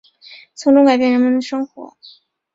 从中改变人们生活